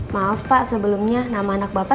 maaf pak sebelumnya nama anak bapak